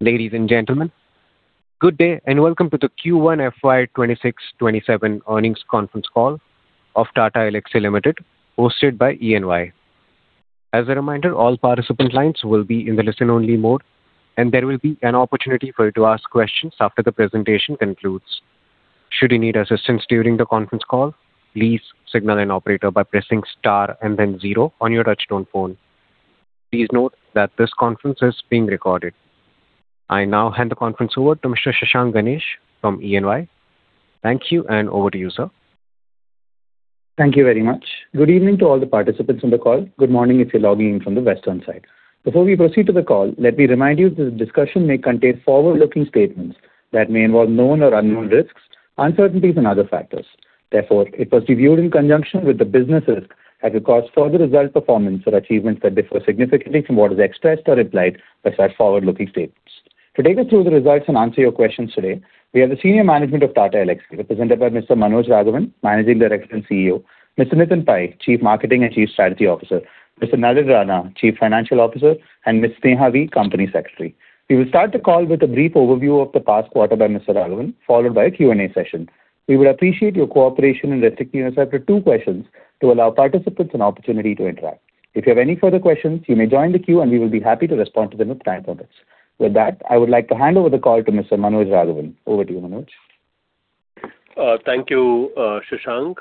Ladies and gentlemen, good day and welcome to the Q1 FY 2026/2027 earnings conference call of Tata Elxsi Limited, hosted by EY. As a reminder, all participant lines will be in the listen-only mode, and there will be an opportunity for you to ask questions after the presentation concludes. Should you need assistance during the conference call, please signal an operator by pressing star and then zero on your touch-tone phone. Please note that this conference is being recorded. I now hand the conference over to Mr. Shashank Ganesh from EY. Thank you, and over to you, sir. Thank you very much. Good evening to all the participants on the call. Good morning if you are logging in from the western side. Before we proceed to the call, let me remind you that the discussion may contain forward-looking statements that may involve known or unknown risks, uncertainties and other factors. Therefore, if perceived in conjunction with the business risk that could cause further result performance or achievements that differ significantly from what is expressed or implied by such forward-looking statements. To take us through the results and answer your questions today, we have the senior management of Tata Elxsi represented by Mr. Manoj Raghavan, Managing Director and CEO, Mr. Nitin Pai, Chief Marketing and Chief Strategy Officer, Mr. Nalin Rana, Chief Financial Officer, and Ms. Sneha V., Company Secretary and Compliance Officer. We will start the call with a brief overview of the past quarter by Mr. Raghavan, followed by a Q&A session. We would appreciate your cooperation in restricting yourself to two questions to allow participants an opportunity to interact. If you have any further questions, you may join the queue and we will be happy to respond to them at the right moments. With that, I would like to hand over the call to Mr. Manoj Raghavan. Over to you, Manoj. Thank you, Shashank.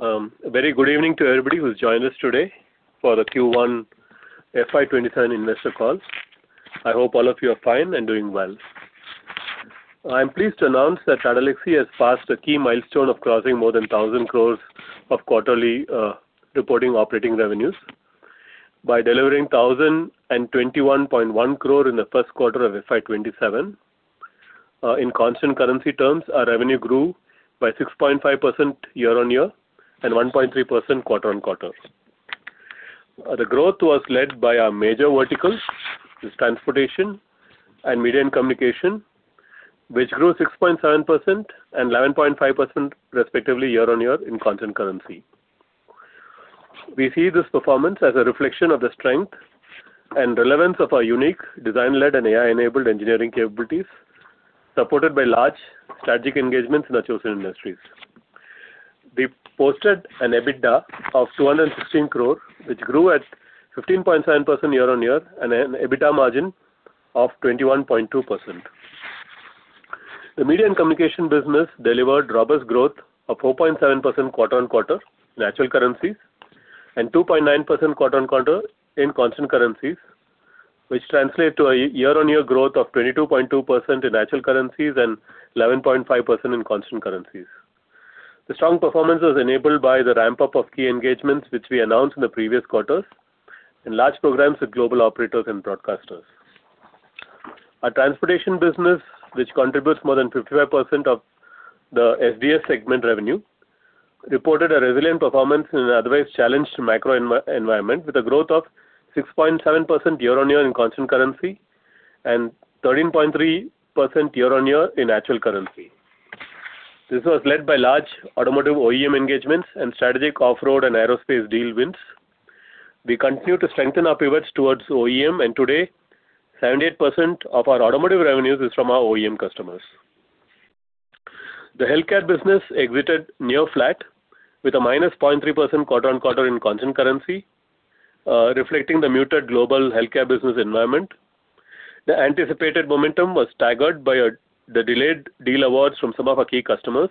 A very good evening to everybody who has joined us today for the Q1 FY 2027 investor call. I hope all of you are fine and doing well. I am pleased to announce that Tata Elxsi has passed a key milestone of crossing more than 1,000 crore of quarterly reporting operating revenues by delivering 1,021.1 crore in the first quarter of FY 2027. In constant currency terms, our revenue grew by 6.5% year-on-year and 1.3% quarter-on-quarter. The growth was led by our major verticals, which is transportation and Media & Communications, which grew 6.7% and 11.5% respectively year-on-year in constant currency. We see this performance as a reflection of the strength and relevance of our unique design-led and AI-enabled engineering capabilities, supported by large strategic engagements in the chosen industries. We posted an EBITDA of 216 crore, which grew at 15.7% year-on-year, and an EBITDA margin of 21.2%. The Media & Communications business delivered robust growth of 4.7% QoQ in actual currencies and 2.9% QoQ in constant currencies, which translate to a year-on-year growth of 22.2% in actual currencies and 11.5% in constant currencies. The strong performance was enabled by the ramp-up of key engagements, which we announced in the previous quarters in large programs with global operators and broadcasters. Our transportation business, which contributes more than 55% of the SDS segment revenue, reported a resilient performance in an otherwise challenged macro environment with a growth of 6.7% YoY in constant currency and 13.3% YoY in actual currency. This was led by large automotive OEM engagements and strategic off-road and aerospace deal wins. We continue to strengthen our pivots towards OEM, and today, 78% of our automotive revenues is from our OEM customers. The healthcare business exited near flat with a -0.3% QoQ in constant currency, reflecting the muted global healthcare business environment. The anticipated momentum was staggered by the delayed deal awards from some of our key customers.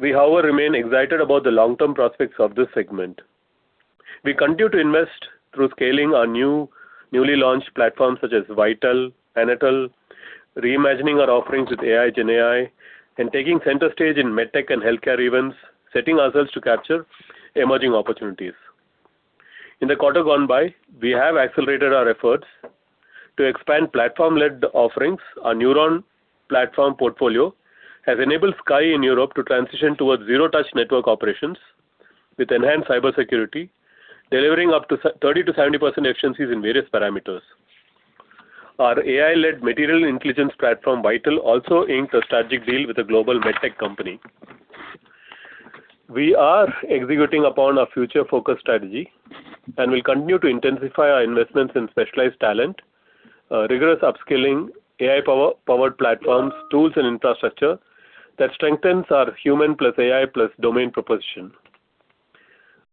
We, however, remain excited about the long-term prospects of this segment. We continue to invest through scaling our newly launched platforms such as ViTel, AnaTel, reimagining our offerings with AI, GenAI, and taking center stage in MedTech and healthcare events, setting ourselves to capture emerging opportunities. In the quarter gone by, we have accelerated our efforts to expand platform-led offerings. Our NEURON platform portfolio has enabled Sky in Europe to transition towards zero-touch network operations with enhanced cybersecurity, delivering up to 30%-70% efficiencies in various parameters. Our AI-led material intelligence platform, ViTel, also inked a strategic deal with a global MedTech company. We are executing upon our future-focused strategy and will continue to intensify our investments in specialized talent, rigorous upskilling, AI-powered platforms, tools, and infrastructure that strengthens our human plus AI plus domain proposition.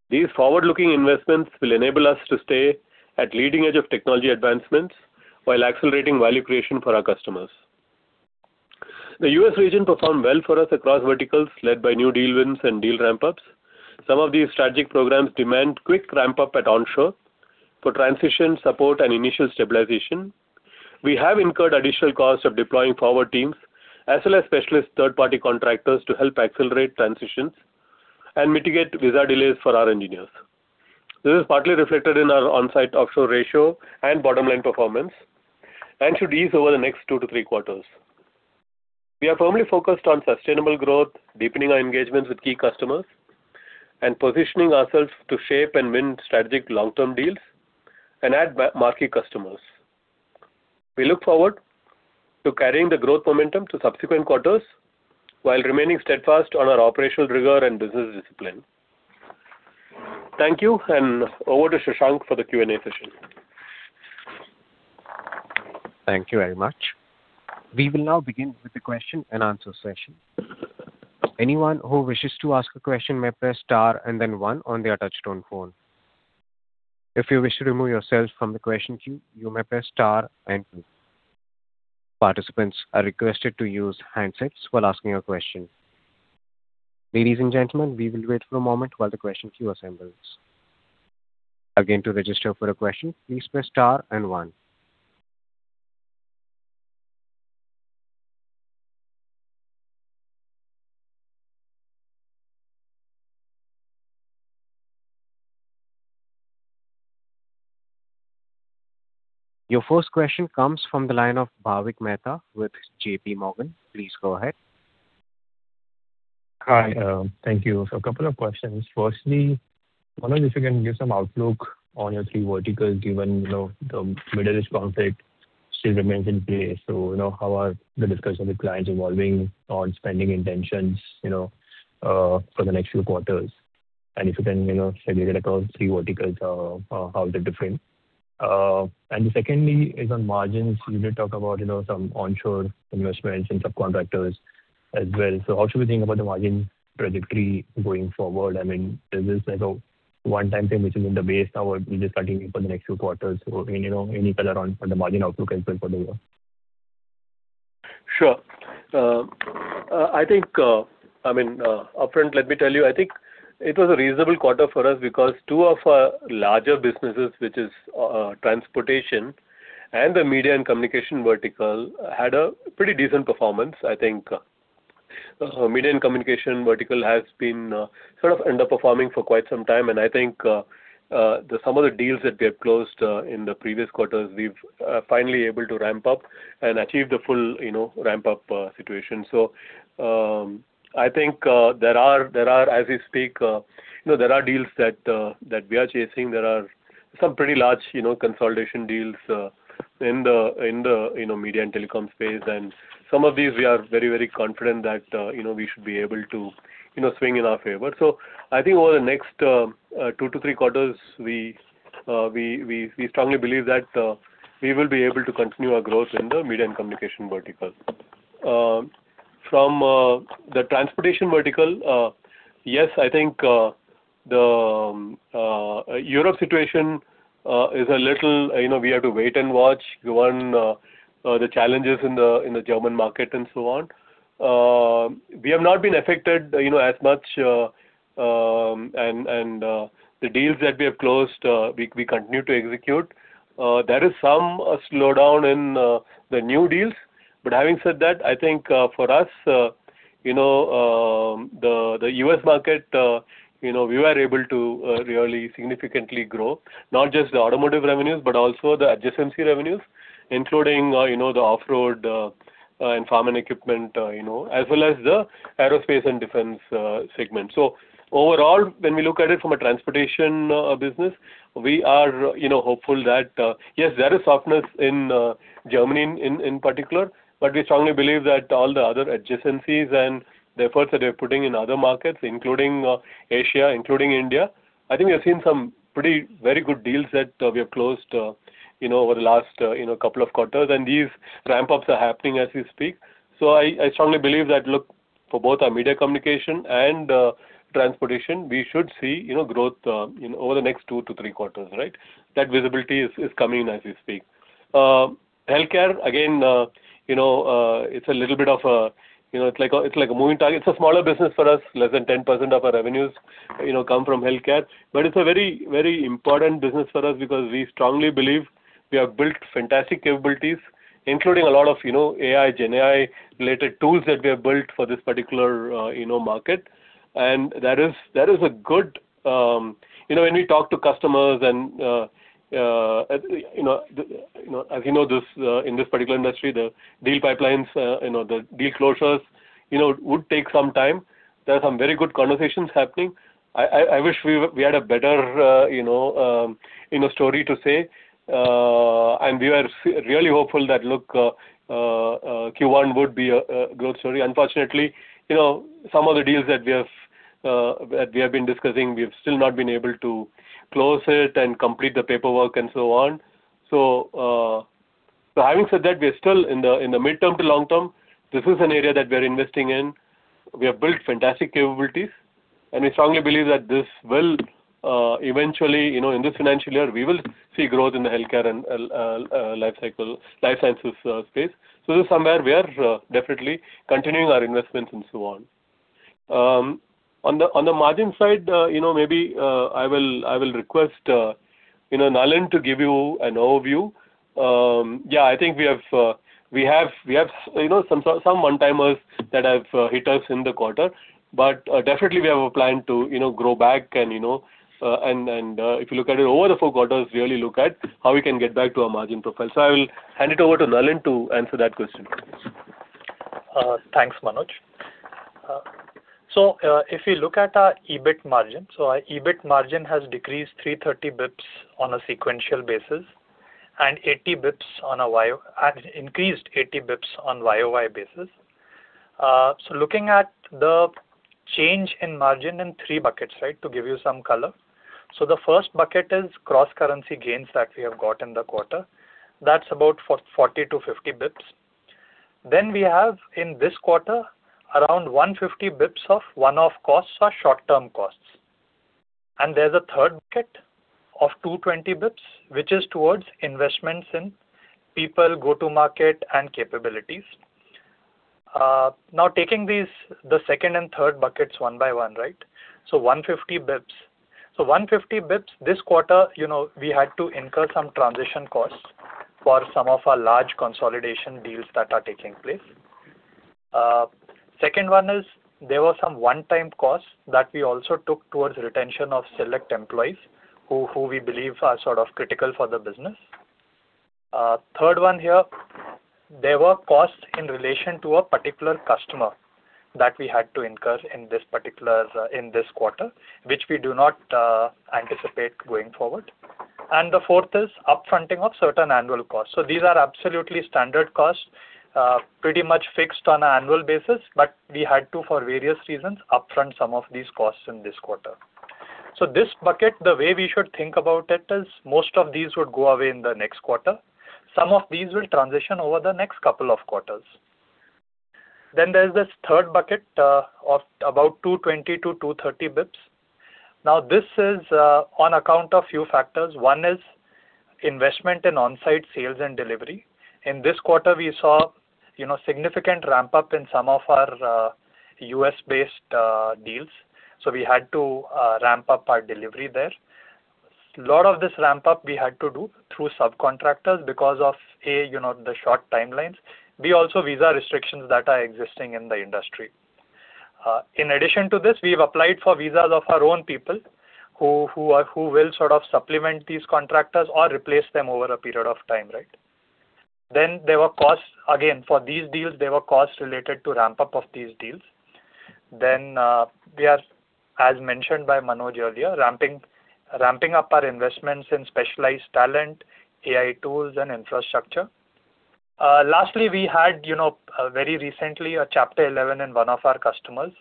These forward-looking investments will enable us to stay at leading edge of technology advancements while accelerating value creation for our customers. The U.S. region performed well for us across verticals, led by new deal wins and deal ramp-ups. Some of these strategic programs demand quick ramp-up at onshore for transition support and initial stabilization. We have incurred additional costs of deploying power teams as well as specialist third-party contractors to help accelerate transitions and mitigate visa delays for our engineers. This is partly reflected in our onsite offshore ratio and bottom line performance and should ease over the next two to three quarters. We are firmly focused on sustainable growth, deepening our engagements with key customers, and positioning ourselves to shape and win strategic long-term deals and add marquee customers. We look forward to carrying the growth momentum to subsequent quarters while remaining steadfast on our operational rigor and business discipline. Thank you, and over to Shashank for the Q&A session. Thank you very much. We will now begin with the question and answer session. Anyone who wishes to ask a question may press star and then one on their touch-tone phone. If you wish to remove yourself from the question queue, you may press star and two. Participants are requested to use handsets while asking a question. Ladies and gentlemen, we will wait for a moment while the question queue assembles. Again, to register for a question, please press star and one. Your first question comes from the line of Bhavik Mehta with JPMorgan. Please go ahead. Hi. Thank you. A couple of questions. Firstly, Manoj, if you can give some outlook on your three verticals given the Middle East conflict still remains in place. How are the discussions with clients evolving on spending intentions for the next few quarters? If you can segregate across three verticals, how they're different. Secondly is on margins. You did talk about some onshore investments and subcontractors as well. How should we think about the margin trajectory going forward? Is this like a one-time thing, which is in the base now, or will this continue for the next few quarters? Any color on the margin outlook as well for the year? Sure. Upfront, let me tell you, I think it was a reasonable quarter for us because two of our larger businesses, which is transportation and the Media and Communications vertical, had a pretty decent performance. I think Media and Communications vertical has been sort of underperforming for quite some time, and I think some of the deals that we have closed in the previous quarters, we've finally able to ramp up and achieve the full ramp-up situation. As we speak, there are deals that we are chasing. There are some pretty large consolidation deals in the media and telecom space. Some of these we are very confident that we should be able to swing in our favor. Over the next two to three quarters, we strongly believe that we will be able to continue our growth in the Media and Communications vertical. From the transportation vertical, yes, I think the Europe situation is a little we have to wait and watch given the challenges in the German market and so on. We have not been affected as much, and the deals that we have closed, we continue to execute. There is some slowdown in the new deals. Having said that, I think for us, the U.S. market, we were able to really significantly grow, not just the automotive revenues, but also the adjacency revenues, including the off-road and farm and equipment, as well as the aerospace and defense segment. Overall, when we look at it from a transportation business, we are hopeful that, yes, there is softness in Germany in particular, but we strongly believe that all the other adjacencies and the efforts that we are putting in other markets, including Asia, including India, I think we have seen some very good deals that we have closed over the last couple of quarters. These ramp-ups are happening as we speak. I strongly believe that, look, for both our Media & Communications and transportation, we should see growth over the next two to three quarters, right? That visibility is coming in as we speak. Healthcare, again, it's a little bit of a moving target it's a smaller business for us. Less than 10% of our revenues come from healthcare. It's a very important business for us because we strongly believe we have built fantastic capabilities, including a lot of AI, GenAI-related tools that we have built for this particular market. When we talk to customers and as you know, in this particular industry, the deal pipelines, the deal closures would take some time. There are some very good conversations happening, I wish we had a better story to say we were really hopeful that Q1 would be a growth story. Unfortunately, some of the deals that we have been discussing, we've still not been able to close it and complete the paperwork and so on. Having said that, we are still in the midterm to long term, this is an area that we're investing in. We have built fantastic capabilities, and we strongly believe that this will eventually, in this financial year, we will see growth in the healthcare and life sciences space. This is somewhere we are definitely continuing our investments and so on. On the margin side, maybe I will request Nalin to give you an overview. I think we have some one-timers that have hit us in the quarter. Definitely we have a plan to grow back. If you look at it over the four quarters, really look at how we can get back to our margin profile. I will hand it over to Nalin to answer that question. Thanks, Manoj. If you look at our EBIT margin. Our EBIT margin has decreased 330 basis point on a sequential basis and increased 80 basis point on YoY basis. Looking at the change in margin in three buckets, to give you some color. The first bucket is cross-currency gains that we have got in the quarter. That's about 40 to 50 basis point. We have, in this quarter, around 150 basis point of one-off costs or short-term costs. There's a third bucket of 220 basis point, which is towards investments in people, go-to market, and capabilities. Now taking the second and third buckets one by one 150 basis point. 150 basis point this quarter, we had to incur some transition costs for some of our large consolidation deals that are taking place. Second one is there were some one-time costs that we also took towards retention of select employees who we believe are sort of critical for the business. Third one here, there were costs in relation to a particular customer that we had to incur in this quarter, which we do not anticipate going forward. The fourth is up-fronting of certain annual costs these are absolutely standard costs, pretty much fixed on an annual basis, but we had to, for various reasons, upfront some of these costs in this quarter. This bucket, the way we should think about it is most of these would go away in the next quarter. Some of these will transition over the next couple of quarters. There's this third bucket of about 220-230 basis point this is on account of a few factors one is investment in on-site sales and delivery. In this quarter, we saw significant ramp-up in some U.S. based deals. We had to ramp up our delivery there. A lot of this ramp-up we had to do through subcontractors because of, A, the short timelines, B, also visa restrictions that are existing in the industry. In addition to this, we've applied for visas of our own people who will sort of supplement these contractors or replace them over a period of time. There were costs again. For these deals, there were costs related to ramp-up of these deals. We are, as mentioned by Manoj earlier, ramping up our investments in specialized talent, AI tools, and infrastructure. Lastly, we had, very recently, a Chapter 11 in one of our customers,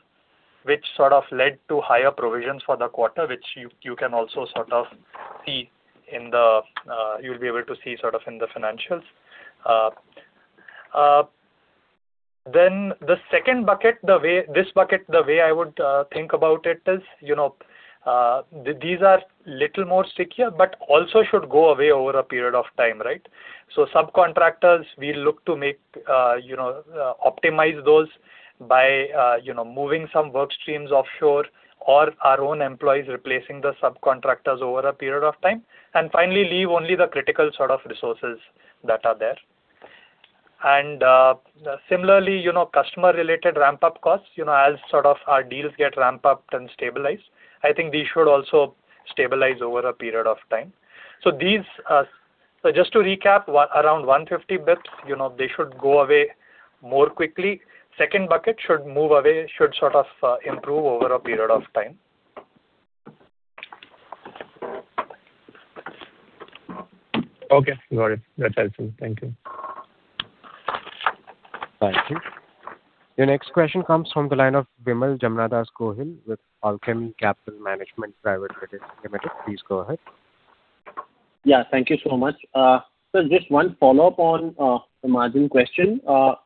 which sort of led to higher provisions for the quarter, which you'll be able to see in the financials. The second bucket this bucket, the way I would think about it is, these are little more stickier, but also should go away over a period of time. Subcontractors, we look to optimize those by moving some work streams offshore or our own employees replacing the subcontractors over a period of time. Finally, leave only the critical sort of resources that are there. Similarly, customer-related ramp-up costs. As our deals get ramped up and stabilized, I think these should also stabilize over a period of time. Just to recap, around 150 basis points, they should go away more quickly. Second bucket should move away, should sort of improve over a period of time. Okay, got it. That's helpful. Thank you. Thank you. Your next question comes from the line of Vimal Jamnadas Gohil with Alchemy Capital Management Private Limited. Please go ahead. Yeah, thank you so much. Sir, just one follow-up on the margin question.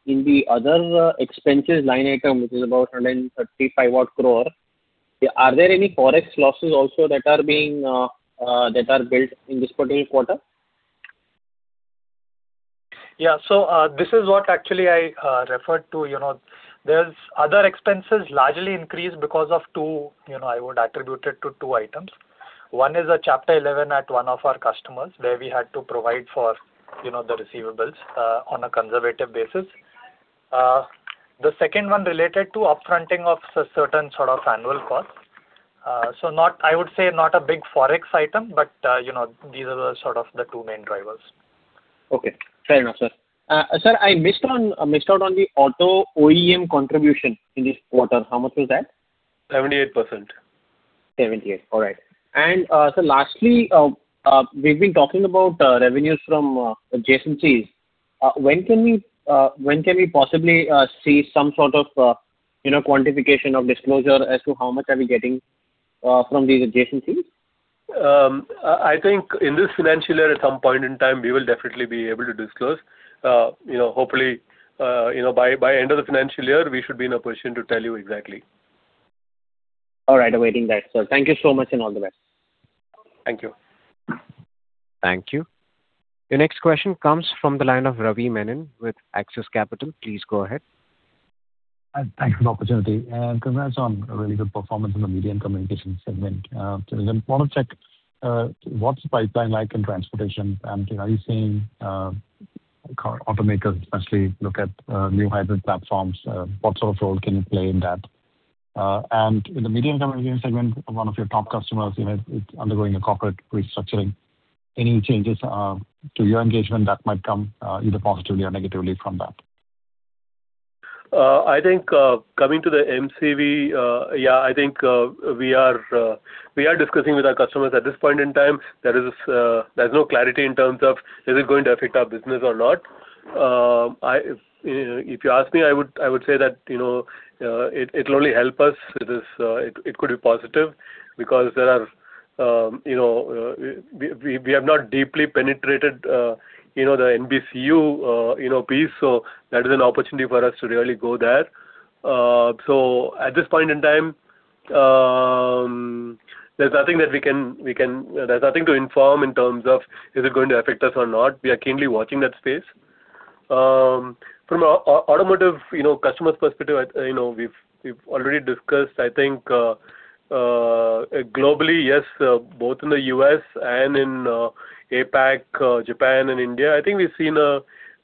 In the other expenses line item, which is about 135 crore, are there any forex losses also that are built in this particular quarter? Yeah. This is what actually I referred to. There's other expenses largely increased. I would attribute it to two items. One is a Chapter 11 at one of our customers where we had to provide for the receivables on a conservative basis. The second one related to up-fronting of certain sort of annual costs. I would say not a big forex item, but these are the sort of the two main drivers. Okay. Fair enough, sir. Sir, I missed out on the auto OEM contribution in this quarter. How much was that? 78%. 78. All right. Sir, lastly, we've been talking about revenues from adjacencies. When can we possibly see some sort of quantification of disclosure as to how much are we getting from these adjacencies? I think in this financial year, at some point in time, we will definitely be able to disclose. Hopefully, by end of the financial year, we should be in a position to tell you exactly. All right. Awaiting that, sir. Thank you so much and all the best. Thank you. Thank you. Your next question comes from the line of Ravi Menon with Axis Capital. Please go ahead. Thanks for the opportunity, congrats on a really good performance in the Media & Communications segment. I want to check, what's the pipeline like in transportation? Are you seeing car automakers especially look at new hybrid platforms? What sort of role can you play in that? In the Media & Communications segment, one of your top customers is undergoing a corporate restructuring. Any changes to your engagement that might come either positively or negatively from that? I think, coming to the M&C, we are discussing with our customers at this point in time. There's no clarity in terms of is it going to affect our business or not. If you ask me, I would say that it'll only help us. It could be positive because we have not deeply penetrated the NBCUniversal piece. That is an opportunity for us to really go there. At this point in time, there's nothing to inform in terms of is it going to affect us or not. We are keenly watching that space. From automotive customers' perspective, we've already discussed, I think, globally, yes, both in the U.S. and in APAC, Japan and India. We've seen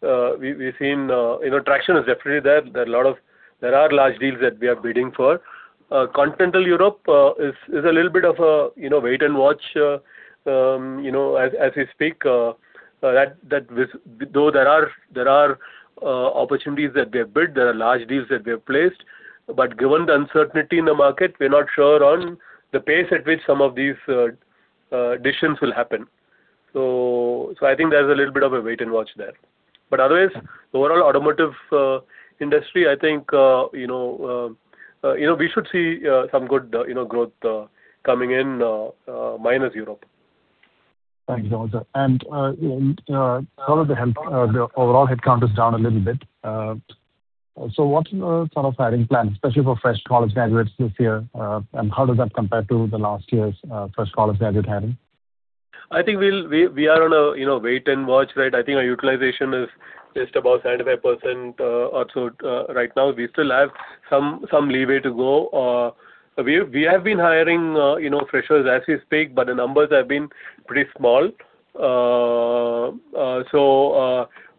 traction is definitely there there are large deals that we are bidding for. Continental Europe is a little bit of a wait and watch as we speak. Though there are opportunities that we have bid, there are large deals that we have placed, given the uncertainty in the market, we're not sure on the pace at which some of these decisions will happen. I think there's a little bit of a wait and watch there. Otherwise, overall automotive industry, I think we should see some good growth coming in, minus Europe. Thanks, Manoj. Some of the help, the overall headcount is down a little bit. What sort of hiring plans, especially for fresh college graduates this year, and how does that compare to the last year's fresh college graduate hiring? I think we are on a wait and watch. I think our utilization is just about 75% or so right now. We still have some leeway to go. We have been hiring freshers as we speak, but the numbers have been pretty small.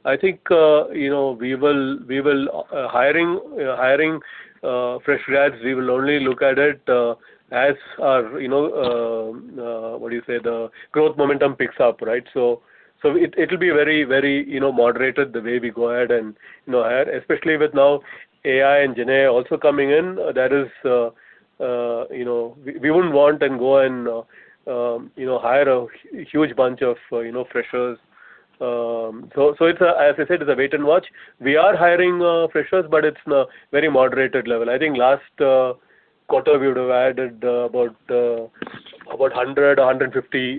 I think hiring fresh grads, we will only look at it as our growth momentum picks up. It will be very moderated the way we go ahead and hire. Especially with now AI and GenAI also coming in, we wouldn't want and go and hire a huge bunch of freshers. As I said, it's a wait and watch. We are hiring freshers, but it's very moderated level. I think last quarter we would've added about 100 or 150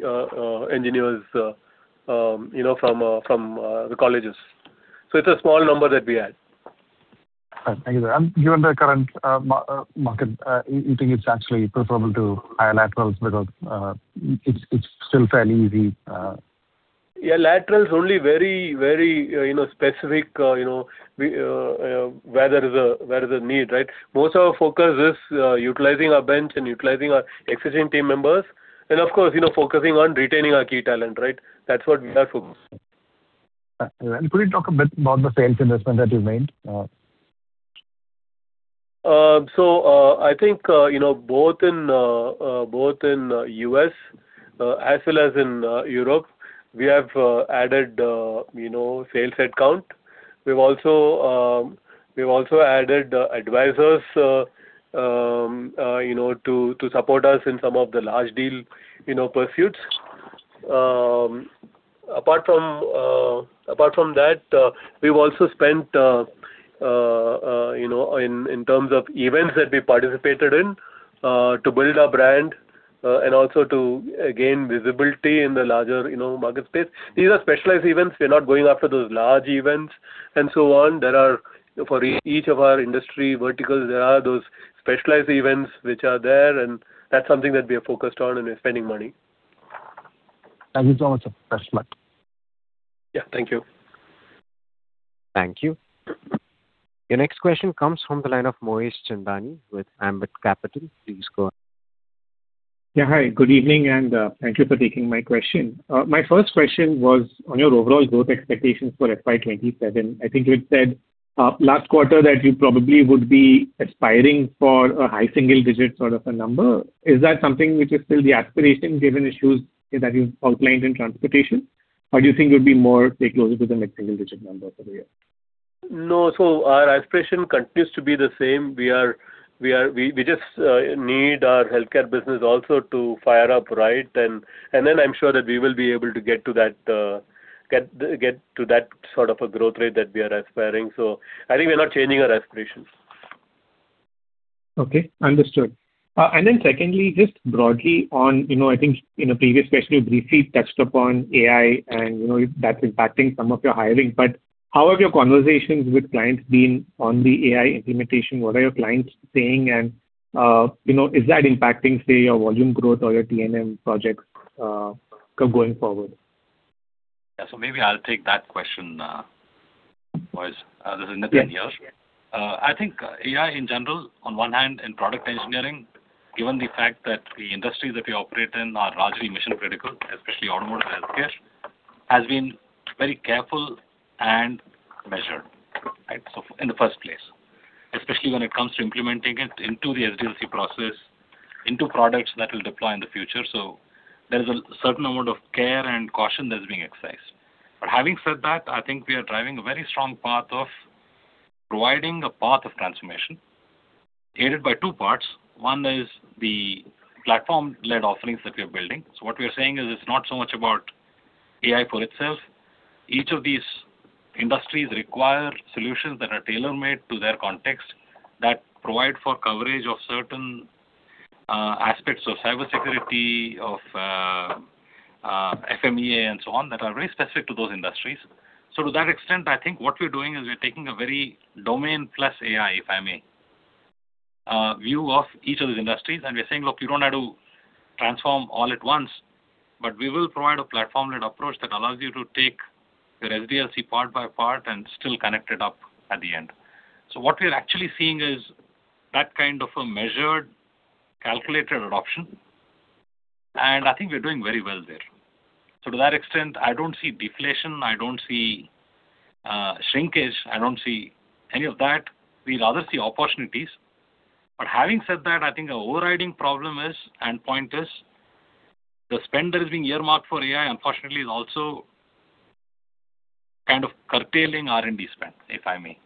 engineers from the colleges. It's a small number that we add. Thank you. Given the current market, you think it's actually preferable to hire laterals because it's still fairly easy? Yeah. Laterals only very specific where there's a need. Most of our focus is utilizing our bench and utilizing our existing team members, and of course focusing on retaining our key talent. That's what we are focused on. Could you talk a bit about the sales investment that you've made? I think both in U.S. as well as in Europe, we have added sales headcount. We've also added advisors to support us in some of the large deal pursuits. Apart from that, we've also spent in terms of events that we participated in to build our brand and also to gain visibility in the larger market space. These are specialized events. We're not going after those large events and so on. For each of our industry verticals, there are those specialized events which are there, and that's something that we are focused on and we're spending money. Thank you so much. Thanks a lot. Yeah. Thank you. Thank you. Your next question comes from the line of Moez Chandani with Ambit Capital. Please go ahead. Yeah. Hi. Good evening. Thank you for taking my question. My first question was on your overall growth expectations for FY 2027. I think you had said last quarter that you probably would be aspiring for a high single digit sort of a number. Is that something which is still the aspiration given issues that you've outlined in transportation? Do you think it would be more, say, closer to the mid-single digit number for the year? No. Our aspiration continues to be the same. We just need our healthcare business also to fire up right. Then I'm sure that we will be able to get to that sort of a growth rate that we are aspiring. I think we're not changing our aspirations. Okay. Understood. Secondly, just broadly on, I think in a previous question you briefly touched upon AI and that's impacting some of your hiring, but how have your conversations with clients been on the AI implementation? What are your clients saying, and is that impacting, say, your volume growth or your TMM projects going forward? Yeah. Maybe I'll take that question, Moez. This is Nitin here. Yeah. I think AI in general, on one hand in product engineering, given the fact that the industries that we operate in are largely mission-critical, especially automotive and healthcare, has been very careful and measured in the first place, especially when it comes to implementing it into the SDLC process, into products that will deploy in the future. There is a certain amount of care and caution that is being exercised. Having said that, I think we are driving a very strong path of Providing a path of transformation aided by two parts. One is the platform-led offerings that we are building. What we are saying is it's not so much about AI for itself. Each of these industries require solutions that are tailor-made to their context that provide for coverage of certain aspects of cybersecurity, of FMEA and so on, that are very specific to those industries. To that extent, I think what we're doing is we're taking a very domain plus AI, if I may, view of each of these industries, and we're saying, "Look, you don't have to transform all at once, but we will provide a platform-led approach that allows you to take your SDLC part by part and still connect it up at the end." What we're actually seeing is that kind of a measured, calculated adoption, and I think we're doing very well there. To that extent, I don't see deflation, I don't see shrinkage. I don't see any of that. We'd rather see opportunities. Having said that, I think the overriding problem is, and point is, the spend that is being earmarked for AI, unfortunately, is also kind of curtailing R&D spend, if I may.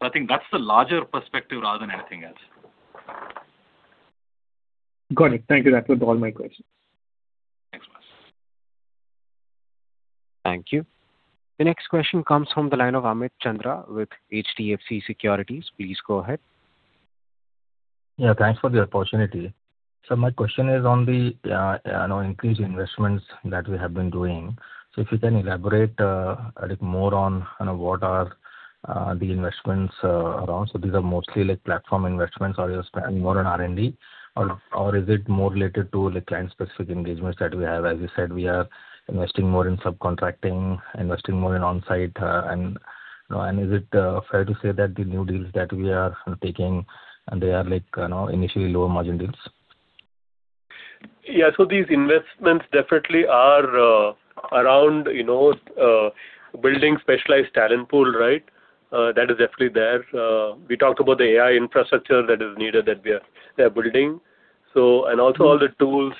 I think that's the larger perspective rather than anything else. Got it. Thank you. That was all my questions. Thanks. Thank you. The next question comes from the line of Amit Chandra with HDFC Securities. Please go ahead. Yeah, thanks for the opportunity. My question is on the increased investments that we have been doing. If you can elaborate a little more on what are the investments around. These are mostly platform investments, or you're spending more on R&D? Or is it more related to client-specific engagements that we have? As you said, we are investing more in subcontracting, investing more in on-site. Is it fair to say that the new deals that we are taking, they are initially lower-margin deals? Yeah. These investments definitely are around building specialized talent pool. That is definitely there. We talked about the AI infrastructure that is needed that we are building. Also all the tools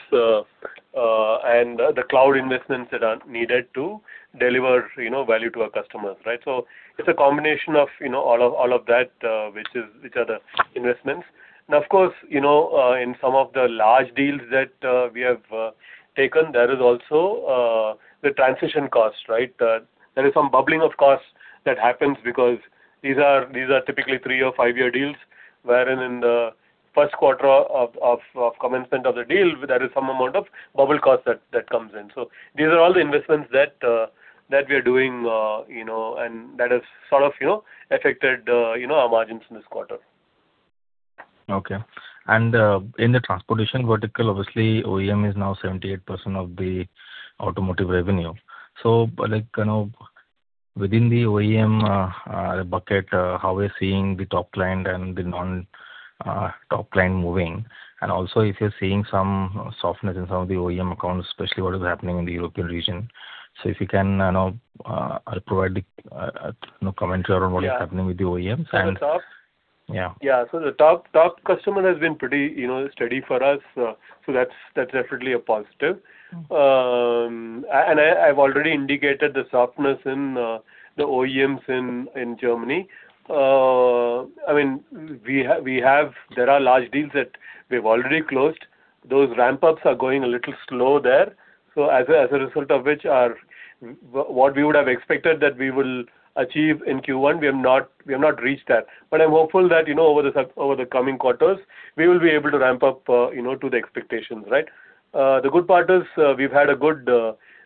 and the cloud investments that are needed to deliver value to our customers. It's a combination of all of that which are the investments. Of course, in some of the large deals that we have taken, there is also the transition cost. There is some bubbling of costs that happens because these are typically three or five-year deals, wherein in the first quarter of commencement of the deal, there is some amount of bubble cost that comes in. These are all the investments that we are doing, and that has sort of affected our margins in this quarter. Okay. In the transportation vertical, obviously OEM is now 78% of the automotive revenue. Within the OEM bucket, how are you seeing the top client and the non-top client moving? Also if you're seeing some softness in some of the OEM accounts, especially what is happening in the European region. If you can provide the commentary around what is happening with the OEMs. Yeah. Yeah. Yeah. The top customer has been pretty steady for us. That's definitely a positive. I've already indicated the softness in the OEMs in Germany. There are large deals that we've already closed. Those ramp-ups are going a little slow there. As a result of which, what we would have expected that we will achieve in Q1, we have not reached that. I'm hopeful that over the coming quarters, we will be able to ramp up to the expectations. The good part is we've had a good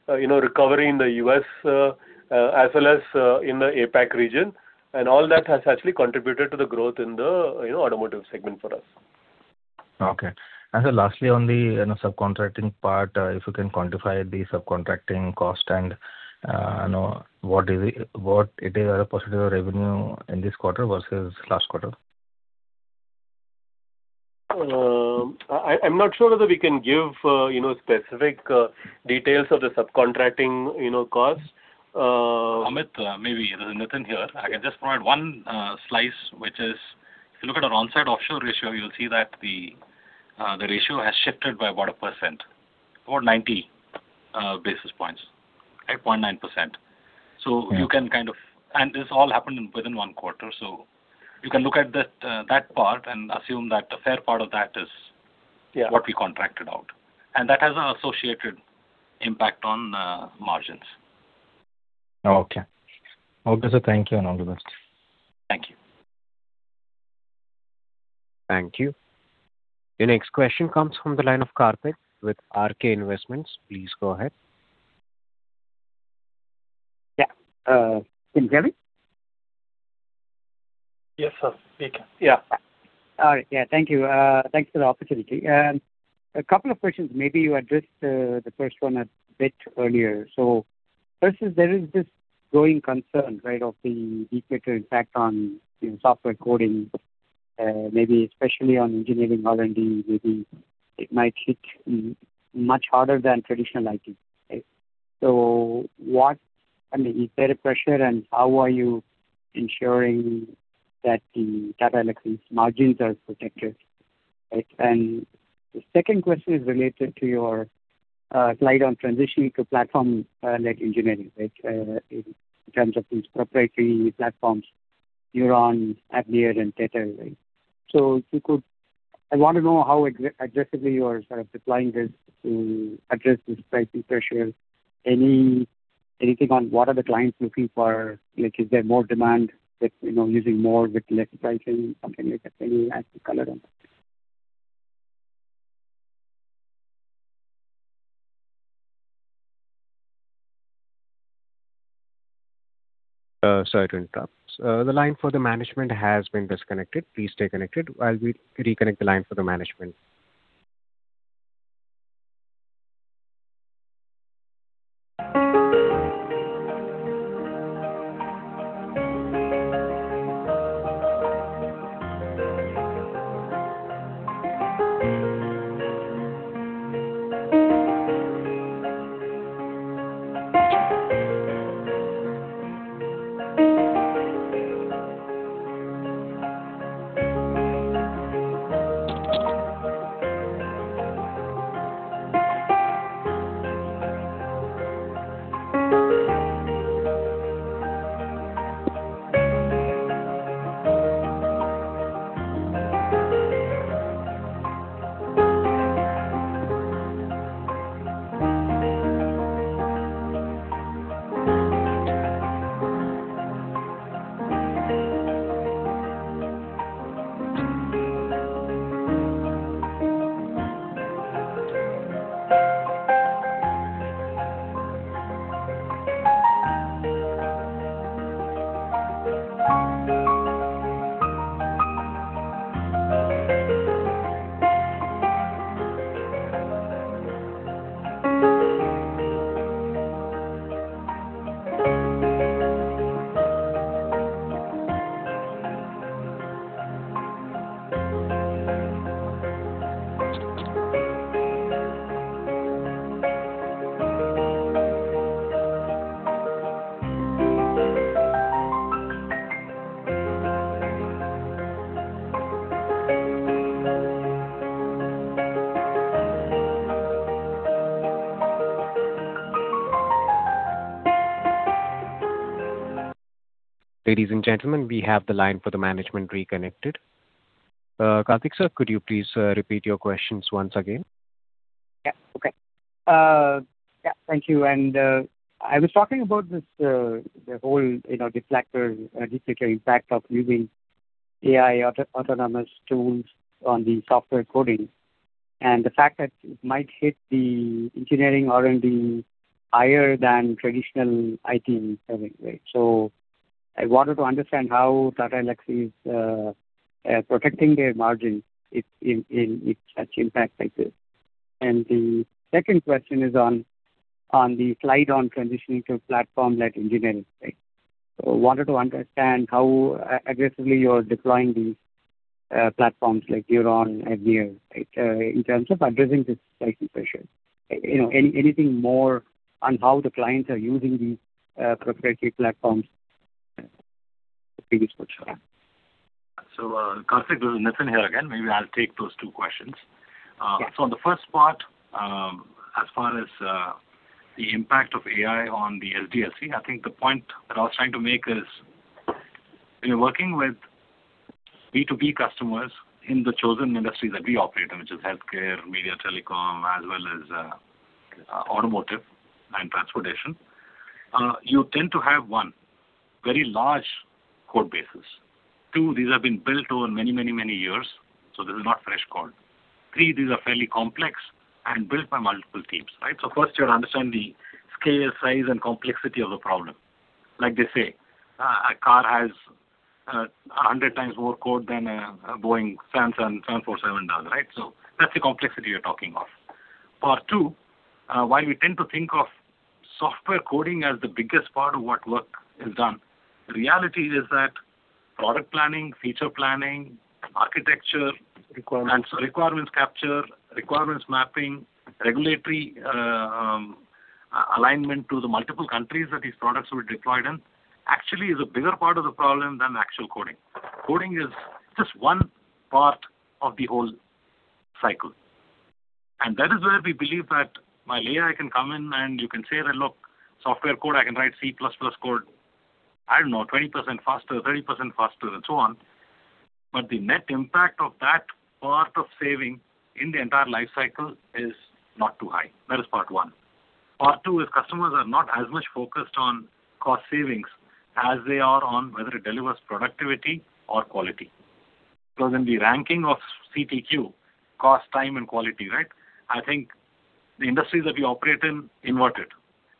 recovery in the U.S. as well as in the APAC region, all that has actually contributed to the growth in the automotive segment for us. Okay. Sir, lastly on the subcontracting part, if you can quantify the subcontracting cost and what it is as a percent of revenue in this quarter versus last quarter. I'm not sure whether we can give specific details of the subcontracting costs. Amit, maybe Nitin here. I can just provide one slice, which is if you'll look at our on-site offshore ratio, you'll see that the ratio has shifted by about 1% or 90 basis points, 0.9%. This all happened within one quarter. So you can look at that part and assume that a fair part of that is- Yeah what we contracted out that has an associated impact on margins. Okay. Okay, sir. Thank you, and all the best. Thank you. Thank you. The next question comes from the line of Karthik with R. K. Investments. Please go ahead. Yeah. Can you hear me? Yes, sir. We can. Yeah. All right. Yeah. Thank you. Thanks for the opportunity. A couple of questions. Maybe you addressed the first one a bit earlier. First is there is this growing concern of the deflationary impact on software coding, maybe especially on engineering R&D. Maybe it might hit much harder than traditional IT. Is there a pressure, and how are you ensuring that the Tata Elxsi margins are protected? Right. The second question is related to your slide on transitioning to platform-led engineering, right? In terms of these proprietary platforms, NEURON, Agnire and TETHER, right? I want to know how aggressively you're sort of deploying this to address this pricing pressure. Anything on what are the clients looking for? Is there more demand, using more with less pricing, something like that? Can you add some color on that? Sorry to interrupt. The line for the management has been disconnected. Please stay connected while we reconnect the line for the management. Ladies and gentlemen, we have the line for the management reconnected. Karthik, sir, could you please repeat your questions once again? Yeah. Okay. Yeah, thank you. I was talking about the whole deflationary impact of using AI autonomous tools on the software coding, and the fact that it might hit the engineering R&D higher than traditional IT spending, right? I wanted to understand how Tata Elxsi is protecting their margins in such impact like this. The second question is on the slide on transitioning to platform-led engineering. I wanted to understand how aggressively you're deploying these platforms like NEURON, TETHER, right, in terms of addressing this pricing pressure. Anything more on how the clients are using these proprietary platforms. Karthik, this is Nitin here again. Maybe I'll take those two questions. Yeah. On the first part, as far as the impact of AI on the SDLC, I think the point that I was trying to make is when you're working with B2B customers in the chosen industry that we operate in, which is healthcare, media, telecom, as well as automotive and transportation, you tend to have, one, very large code bases. Two, these have been built over many years, so this is not fresh code. Three, these are fairly complex and built by multiple teams, right? First you understand the scale, size, and complexity of the problem. Like they say, a car has 100 times more code than a Boeing 747 does, right? That's the complexity you're talking of. Part two, while we tend to think of software coding as the biggest part of what work is done, the reality is that product planning, feature planning, architecture- Requirements Requirements capture, requirements mapping, regulatory alignment to the multiple countries that these products were deployed in actually is a bigger part of the problem than the actual coding. Coding is just one part of the whole cycle. That is where we believe that my AI can come in and you can say that, "Look, software code, I can write C plus plus code, I don't know, 20% faster, 30% faster, and so on." The net impact of that part of saving in the entire life cycle is not too high. That is part one part two is customers are not as much focused on cost savings as they are on whether it delivers productivity or quality. In the ranking of CTQ, cost, time, and quality, right? I think the industries that we operate in inverted.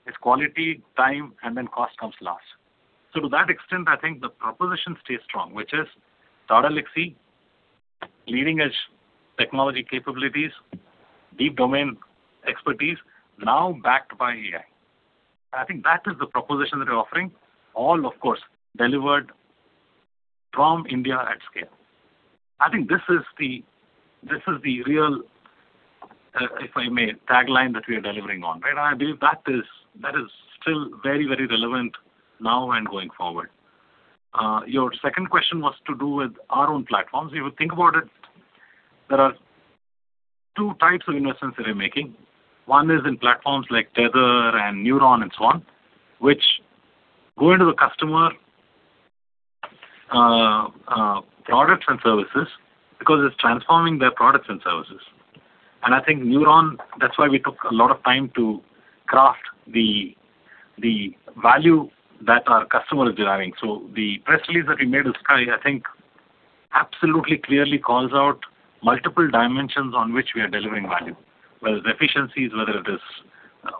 It's quality, time, and then cost comes last. To that extent, I think the proposition stays strong, which is Tata Elxsi leading-edge technology capabilities, deep domain expertise, now backed by AI. I think that is the proposition that we're offering all, of course, delivered from India at scale. I think this is the real If I may, tagline that we are delivering on, right? I believe that is still very relevant now and going forward. Your second question was to do with our own platforms. If you think about it, there are two types of investments that we're making. One is in platforms like TETHER and NEURON and so on, which go into the customer products and services because it's transforming their products and services. I think NEURON, that's why we took a lot of time to craft the value that our customer is deriving. The press release that we made is, I think, absolutely clearly calls out multiple dimensions on which we are delivering value, whether it's efficiencies, whether it is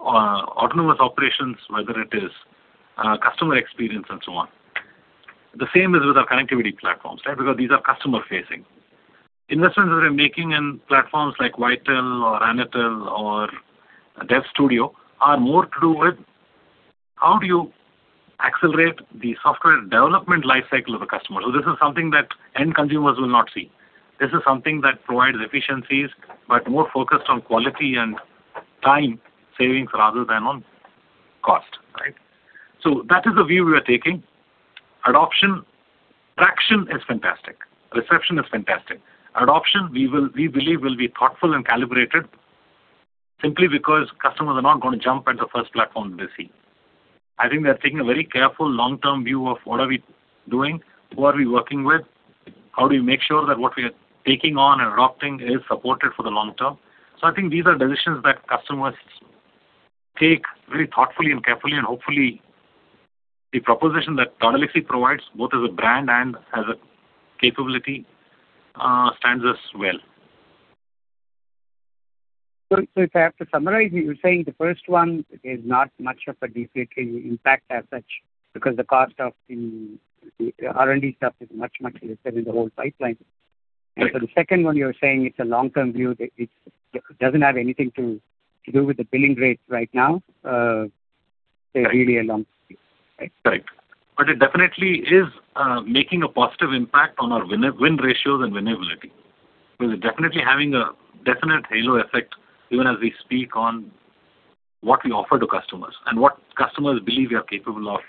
autonomous operations, whether it is customer experience and so on. The same is with our connectivity platforms, right? Because these are customer-facing. Investments that we're making in platforms like ViTel or AnaTel or DevStudio.ai are more to do with how do you accelerate the software development lifecycle of a customer. This is something that end consumers will not see. This is something that provides efficiencies, but more focused on quality and time savings rather than on cost. Right. That is the view we are taking traction is fantastic reception is fantastic adoption, we believe, will be thoughtful and calibrated simply because customers are not going to jump at the first platform they see. I think they're taking a very careful long-term view of what are we doing, who are we working with, how do we make sure that what we are taking on and adopting is supported for the long term. I think these are decisions that customers take very thoughtfully and carefully, and hopefully the proposition that Tata Elxsi provides, both as a brand and as a capability, stands us well. If I have to summarize, you're saying the first one is not much of a differentiated impact as such because the cost of the R&D stuff is much lesser in the whole pipeline. Right. For the second one, you're saying it's a long-term view that it doesn't have anything to do with the billing rates right now. They're really a long view. Right? Correct. It definitely is making a positive impact on our win ratios and winnability. It's definitely having a definite halo effect even as we speak on what we offer to customers and what customers believe we are capable of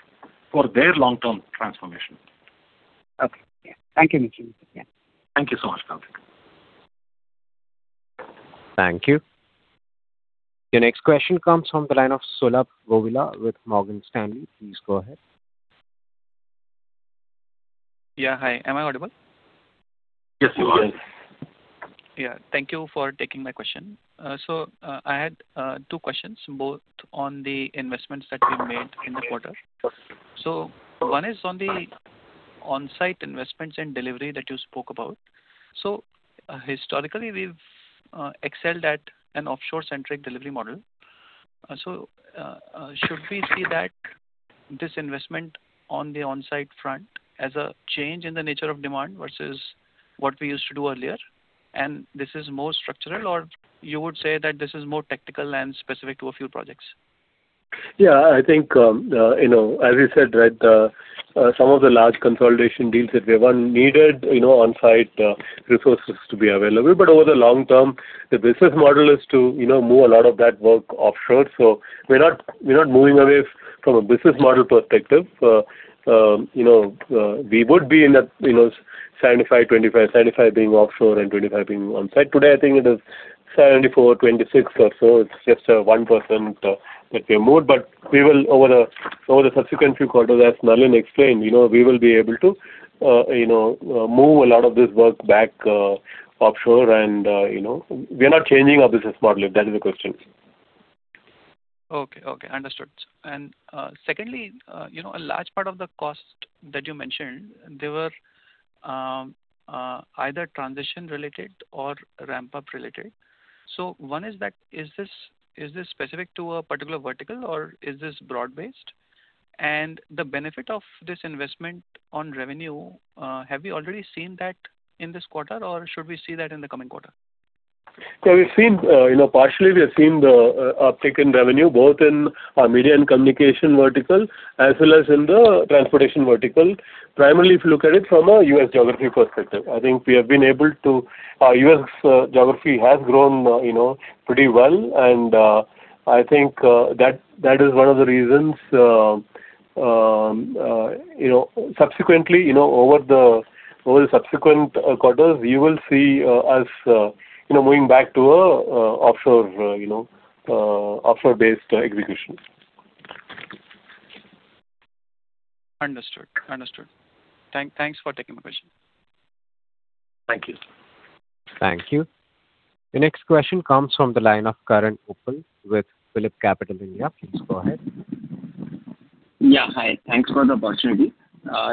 for their long-term transformation. Okay. Yeah. Thank you, Nitin. Yeah. Thank you so much, Karthik. Thank you. Your next question comes from the line of Sulabh Govila with Morgan Stanley. Please go ahead. Yeah. Hi. Am I audible? Yes, you are. Thank you for taking my question. I had two questions, both on the investments that you made in the quarter. One is on the on-site investments and delivery that you spoke about. Historically, we've excelled at an offshore-centric delivery model. Should we see that this investment on the on-site front as a change in the nature of demand versus what we used to do earlier, and this is more structural? Or you would say that this is more tactical and specific to a few projects? I think as you said, right, some of the large consolidation deals that we won needed on-site resources to be available. Over the long term, the business model is to move a lot of that work offshore. We're not moving away from a business model perspective. We would be in a 75/25, 75 being offshore and 25 being on-site. Today, I think it is 74/26 or so. It's just a 1% that we moved. We will over the subsequent few quarters, as Nalin explained, we will be able to move a lot of this work back offshore. We are not changing our business model, if that is the question. Okay. Understood. Secondly, a large part of the cost that you mentioned, they were either transition-related or ramp-up related. One is that, is this specific to a particular vertical or is this broad-based? The benefit of this investment on revenue, have you already seen that in this quarter or should we see that in the coming quarter? Partially, we have seen the uptick in revenue both in our Media & Communications vertical as well as in the Transportation vertical, primarily if you look at it from a U.S. geography perspective. I think our U.S. geography has grown pretty well and I think that is one of the reasons. Subsequently, over the subsequent quarters, you will see us going back to offshore-based execution. Understood. Thanks for taking my question. Thank you. Thank you. The next question comes from the line of Karan Uppal with PhillipCapital India. Please go ahead. Yeah. Hi. Thanks for the opportunity.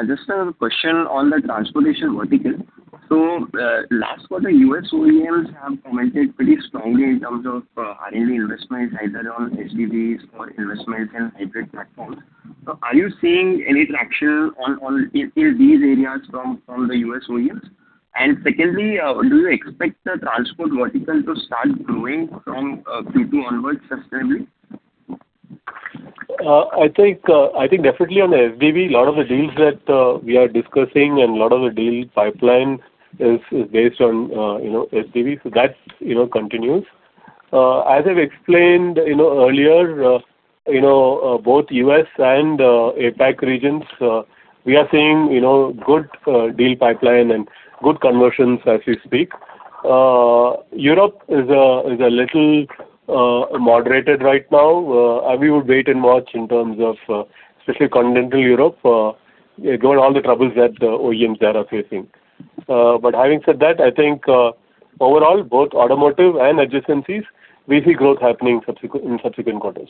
Just a question on the transportation vertical. Last quarter, U.S. OEMs have commented pretty strongly in terms of R&D investments, either on SDVs or investments in hybrid platforms. Are you seeing any traction in these areas from the U.S. OEMs? Secondly, do you expect the transport vertical to start growing from Q2 onwards sustainably? I think definitely on the SDV, a lot of the deals that we are discussing and a lot of the deal pipeline is based on SDV, so that continues. As I've explained earlier, both U.S. and APAC regions, we are seeing good deal pipeline and good conversions as we speak. Europe is a little moderated right now. We would wait and watch in terms of especially continental Europe, given all the troubles that the OEMs there are facing. Having said that, I think overall, both automotive and adjacencies, we see growth happening in subsequent quarters.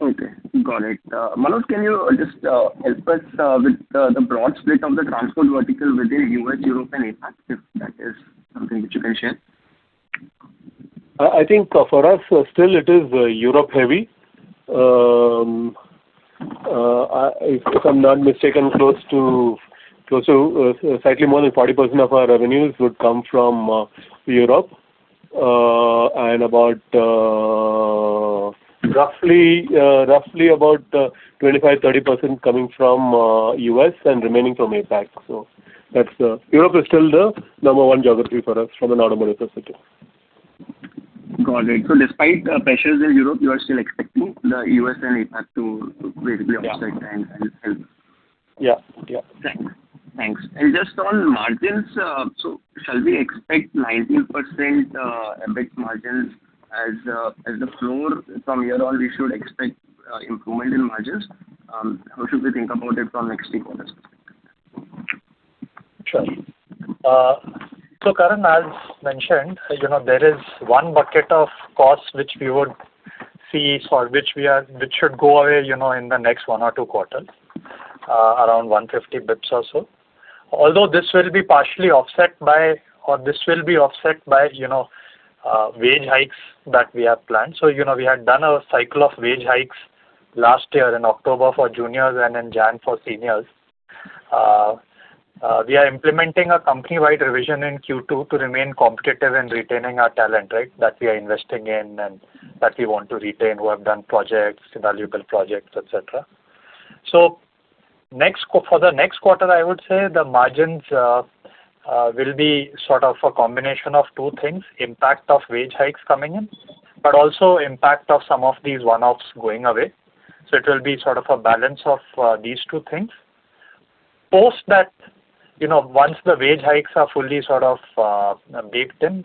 Okay. Got it. Manoj, can you just help us with the broad split of the transport vertical within U.S., Europe, and APAC, if that is something which you can share? I think for us, still it is Europe heavy. If I'm not mistaken, close to slightly more than 40% of our revenues would come from Europe, and roughly about 25%-30% coming from U.S. and remaining from APAC. Europe is still the number one geography for us from an automotive perspective. Got it. Despite pressures in Europe, you are still expecting the U.S. and APAC to basically Yeah Offset and help? Yeah. Thanks. Just on margins, shall we expect 19% EBIT margins as the floor? From here on, we should expect improvement in margins? How should we think about it from next few quarters? Sure. Karan, as mentioned, there is one bucket of costs which should go away in the next one or two quarters, around 150 basis points or so. Although this will be partially offset by or this will be offset by wage hikes that we have planned. We had done a cycle of wage hikes last year in October for juniors and in January for seniors. We are implementing a company-wide revision in Q2 to remain competitive in retaining our talent, that we are investing in and that we want to retain who have done projects, valuable projects, et cetera. For the next quarter, I would say the margins will be sort of a combination of two things, impact of wage hikes coming in, also impact of some of these one-offs going away. It will be sort of a balance of these two things. Post that, once the wage hikes are fully sort of baked in,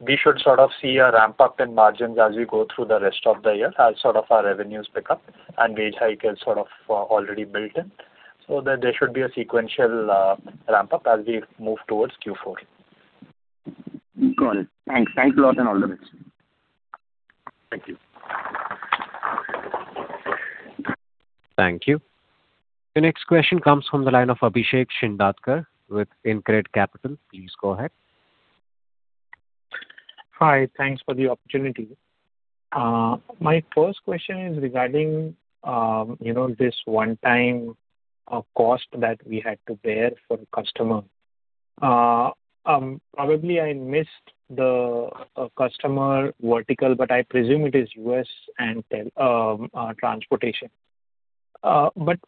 we should see a ramp-up in margins as we go through the rest of the year as our revenues pick up and wage hike is sort of already built in. There should be a sequential ramp-up as we move towards Q4. Got it. Thanks a lot and all the best. Thank you. Thank you. The next question comes from the line of Abhishek Shindadkar with InCred Capital. Please go ahead. Hi. Thanks for the opportunity. My first question is regarding this one-time cost that we had to bear for the customer. Probably, I missed the customer vertical, but I presume it is U.S. and transportation. What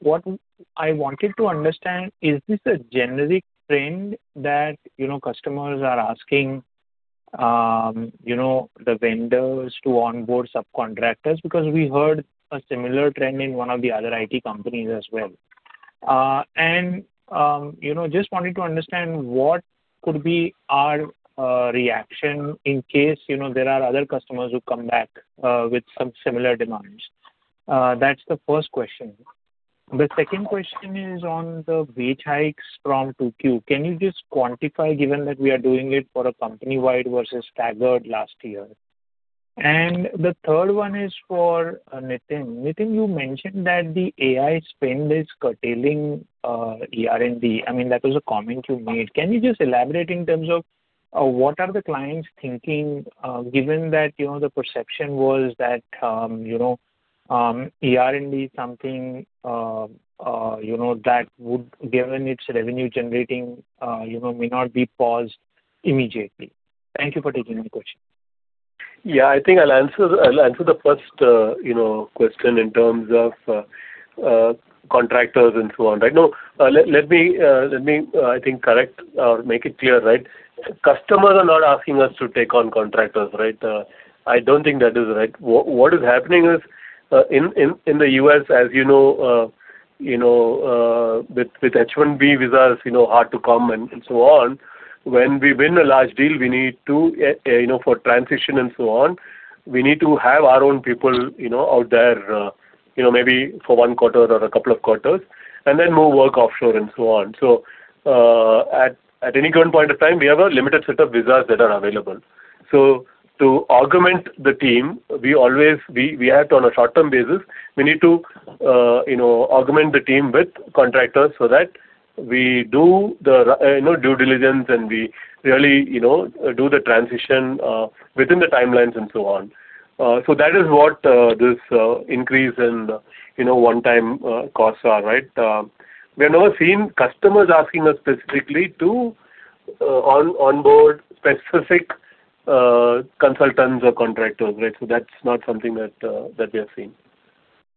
I wanted to understand, is this a generic trend that customers are asking the vendors to onboard subcontractors? We heard a similar trend in one of the other IT companies as well. Just wanted to understand what could be our reaction in case there are other customers who come back with some similar demands. That's the first question. The second question is on the wage hikes from 2Q. Can you just quantify, given that we are doing it for a company-wide versus staggered last year? The third one is for Nitin. Nitin, you mentioned that the AI spend is curtailing ER&D. I mean, that was a comment you made. Can you just elaborate in terms of what are the clients thinking, given that the perception was that ER&D is something that given it's revenue generating, may not be paused immediately. Thank you for taking my question, Abhishek Shindadkar. Yeah. I think I'll answer the first question in terms of contractors and so on. No. Let me, I think, correct or make it clear. Customers are not asking us to take on contractors. I don't think that is right. What is happening is in the U.S., as you know, with H-1B visas hard to come and so on, when we win a large deal, for transition and so on, we need to have our own people out there maybe for one quarter or a couple of quarters, and then move work offshore and so on. At any given point of time, we have a limited set of visas that are available. To augment the team on a short-term basis, we need to augment the team with contractors so that we do due diligence and we really do the transition within the timelines and so on. That is what this increase in the one-time costs are. We have never seen customers asking us specifically to onboard specific consultants or contractors. That's not something that we have seen.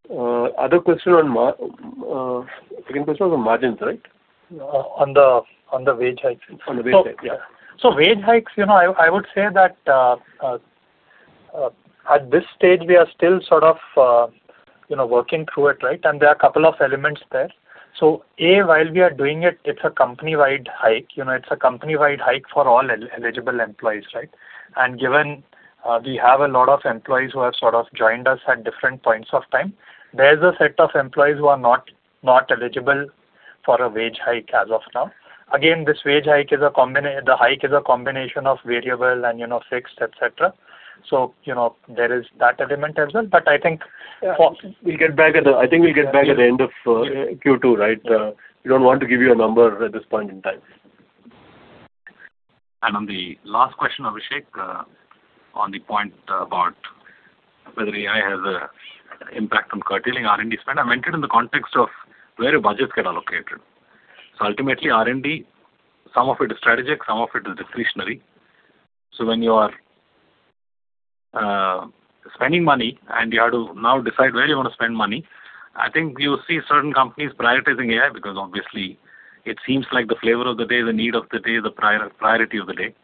The second question was on margins, right? On the wage hikes. On the wage hike. Yeah. Wage hikes, I would say that at this stage, we are still sort of working through it. There are a couple of elements there. A, while we are doing it's a company-wide hike. It's a company-wide hike for all eligible employees. Given we have a lot of employees who have sort of joined us at different points of time, there's a set of employees who are not eligible for a wage hike as of now. Again, the hike is a combination of variable and fixed, et cetera. There is that element as well. I think we'll get back at the end of Q2. We don't want to give you a number at this point in time. On the last question, Abhishek, on the point about whether AI has a impact on curtailing R&D spend, I meant it in the context of where budgets get allocated. Ultimately, R&D, some of it is strategic, some of it is discretionary. When you are spending money and you have to now decide where you want to spend money, I think you see certain companies prioritizing AI because obviously it seems like the flavor of the day, the need of the day, the priority of the day.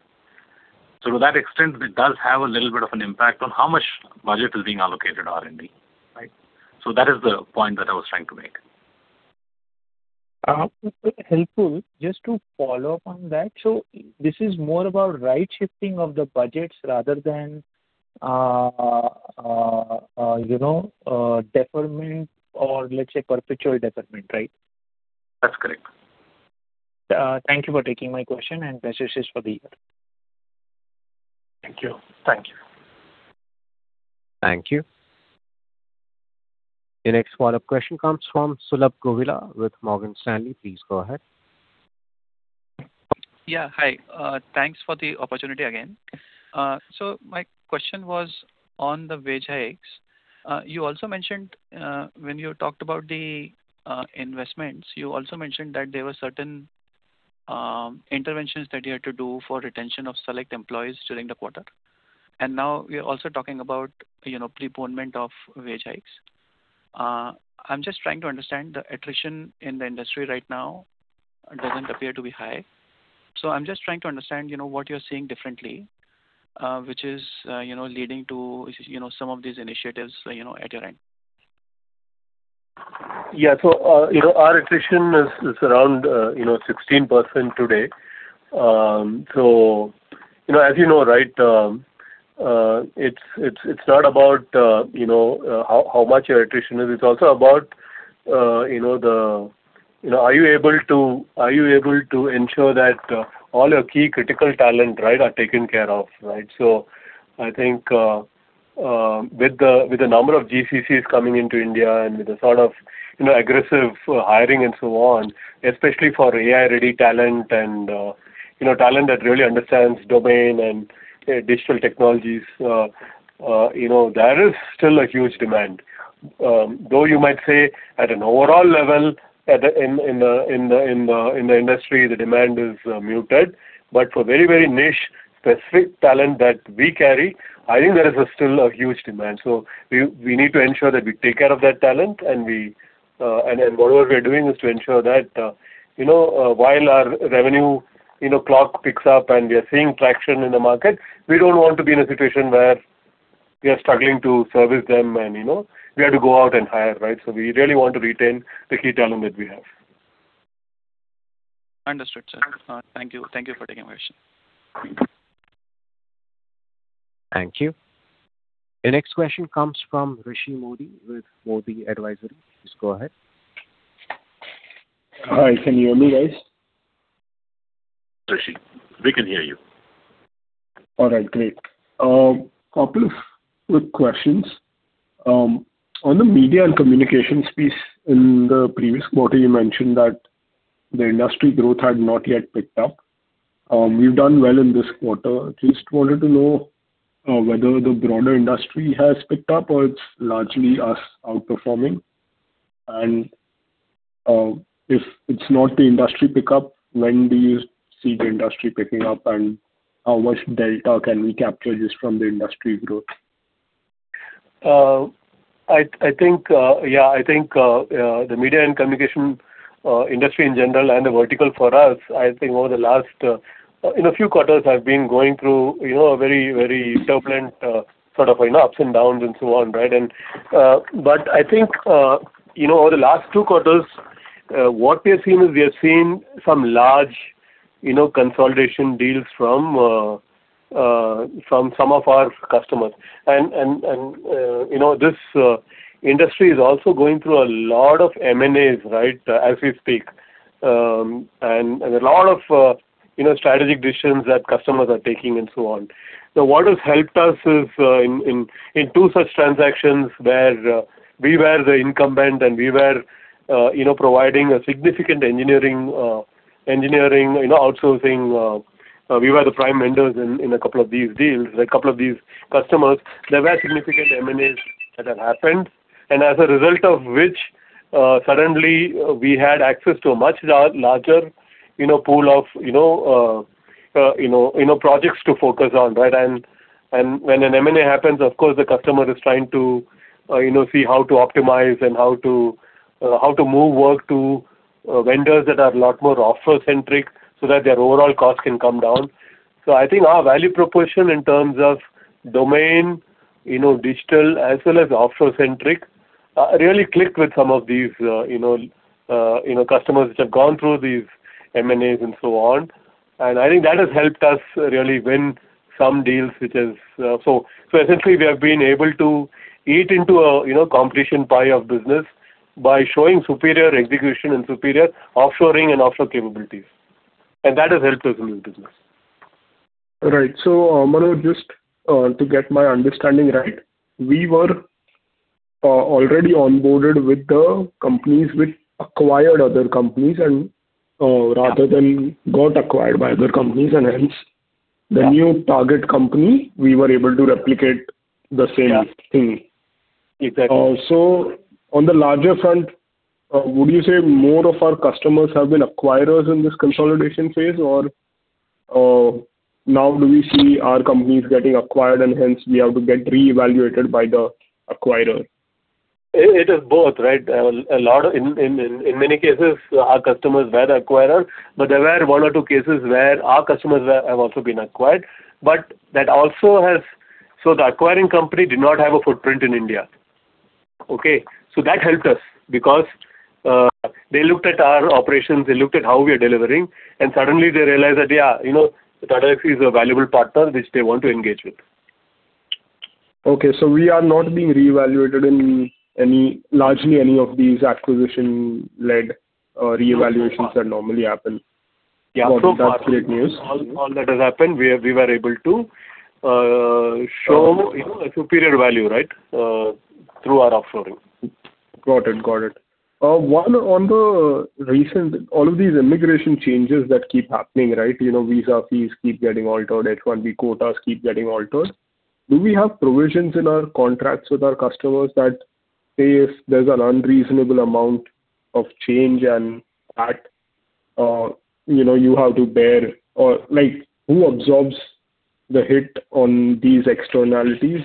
To that extent, it does have a little bit of an impact on how much budget is being allocated R&D. That is the point that I was trying to make. It's helpful. Just to follow up on that. This is more about right shifting of the budgets rather than deferment or let's say perpetual deferment, right? That's correct. Thank you for taking my question and best wishes for the year. Thank you. Thank you. Thank you. The next follow-up question comes from Sulabh Govila with Morgan Stanley. Please go ahead. Yeah, hi. Thanks for the opportunity again. My question was on the wage hikes. When you talked about the investments, you also mentioned that there were certain interventions that you had to do for retention of select employees during the quarter. Now we are also talking about postponement of wage hikes. I'm just trying to understand the attrition in the industry right now doesn't appear to be high. I'm just trying to understand what you're seeing differently, which is leading to some of these initiatives at your end. Yeah. Our attrition is around 16% today. As you know, it's not about how much your attrition is it's also about are you able to ensure that all your key critical talent are taken care of. I think with the number of GCCs coming into India and with the sort of aggressive hiring and so on, especially for AI-ready talent and talent that really understands domain and digital technologies there is still a huge demand. Though you might say at an overall level in the industry, the demand is muted, but for very niche-specific talent that we carry, I think there is still a huge demand. We need to ensure that we take care of that talent, and whatever we're doing is to ensure that while our revenue clock ticks up and we are seeing traction in the market, we don't want to be in a situation where we are struggling to service them and we have to go out and hire. We really want to retain the key talent that we have. Understood, sir. Thank you for taking my question. Thank you. The next question comes from Rishi Modi with Modi Advisory. Please go ahead. Hi, can you hear me guys? Rishi, we can hear you. All right, great. Couple of quick questions. On the Media & Communications piece, in the previous quarter, you mentioned that the industry growth had not yet picked up. You've done well in this quarter. I just wanted to know whether the broader industry has picked up or it's largely us outperforming. If it's not the industry pickup, when do you see the industry picking up, and how much delta can we capture just from the industry growth? I think the Media & Communications industry in general and the vertical for us, I think in a few quarters have been going through a very turbulent sort of ups and downs and so on. I think over the last two quarters, what we have seen is we have seen some large consolidation deals from some of our customers. This industry is also going through a lot of M&As as we speak. A lot of strategic decisions that customers are taking and so on. What has helped us is in two such transactions where we were the incumbent and we were providing a significant engineering outsourcing. We were the prime vendors in a couple of these deals, a couple of these customers. There were significant M&As that have happened. As a result of which, suddenly, we had access to a much larger pool of projects to focus on. When an M&A happens, of course, the customer is trying to see how to optimize and how to move work to vendors that are a lot more offshore-centric so that their overall cost can come down. I think our value proposition in terms of domain, digital, as well as offshore-centric, really clicked with some of these customers which have gone through these M&As and so on. I think that has helped us really win some deals. Essentially, we have been able to eat into a competition pie of business by showing superior execution and superior offshoring and offshore capabilities. That has helped us win business. Right. Manoj, just to get my understanding right, we were already onboarded with the companies which acquired other companies rather than got acquired by other companies, hence the new target company, we were able to replicate the same thing. Exactly. On the larger front, would you say more of our customers have been acquirers in this consolidation phase? Or now do we see our companies getting acquired and hence we have to get reevaluated by the acquirer? It is both. In many cases, our customers were the acquirers, but there were one or two cases where our customers have also been acquired. The acquiring company did not have a footprint in India. That helped us because they looked at our operations, they looked at how we are delivering, and suddenly they realized that, yeah, Tata Elxsi is a valuable partner which they want to engage with. Okay. We are not being reevaluated in largely any of these acquisition-led reevaluations that normally happen. Yeah. So far- That's great news all that has happened, we were able to show a superior value through our offshoring. Got it. On all of these immigration changes that keep happening, visa fees keep getting altered, H1B quotas keep getting altered. Do we have provisions in our contracts with our customers that say if there's an unreasonable amount of change and that you have to bear? Who absorbs the hit on these externalities?